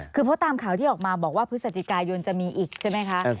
คือเพราะตามข่าวที่ออกมาบอกว่าพฤศจิกายนจะมีอีกใช่ไหมคะ